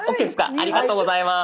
ありがとうございます。